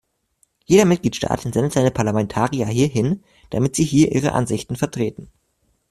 Jeder Mitgliedstaat entsendet seine Parlamentarier hierhin, damit sie hier ihre Ansichten vertreten.